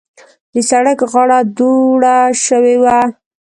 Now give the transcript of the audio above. د سړک غاړه دوړه شوې وه.